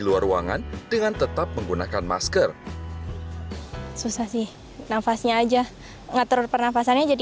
luar ruangan dengan tetap menggunakan masker susah sih nafasnya aja ngatur pernafasannya jadi